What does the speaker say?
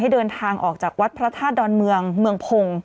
เดินทางออกจากวัดพระธาตุดอนเมืองเมืองพงศ์